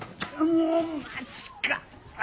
もうマジか！